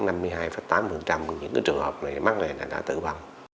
những cái trường hợp này mắc này là đã tử vong